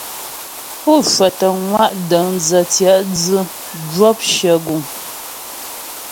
Pú cwətə ŋwa' dəndzə̀ tyɛ̌'dzʉ zhwɔp shyə guŋ.